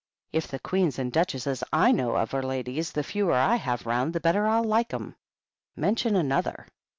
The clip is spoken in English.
"If the Queens and Duchesses / know of are ladies, the fewer I have round the better I'll like 'em. Mention another.